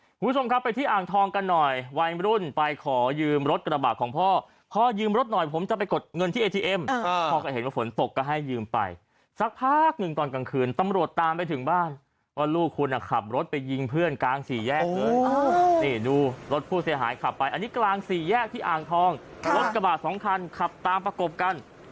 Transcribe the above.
คุณผู้ชมครับไปที่อ่างทองกันหน่อยวัยมรุ่นไปขอยืมรถกระบาดของพ่อพ่อยืมรถหน่อยผมจะไปกดเงินที่เอทีเอ็มพ่อก็เห็นว่าฝนตกก็ให้ยืมไปสักพักหนึ่งตอนกลางคืนตำรวจตามไปถึงบ้านว่าลูกคุณขับรถไปยิงเพื่อนกลางสี่แยกเลยนี่ดูรถผู้เสียหายขับไปอันนี้กลางสี่แยกที่อ่างทองรถกระบาดสองคันขับตามประกบกัน